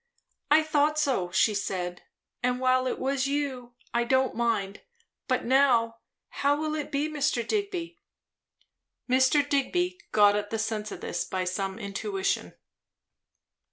"I thought so," she said. "And while it was you, I didn't mind. But now, how will it be, Mr. Digby?" Mr. Digby got at the sense of this by some intuition.